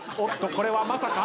これはまさか。